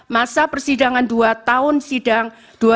masa persidangan dua tahun sidang dua ribu dua puluh tiga dua ribu dua puluh empat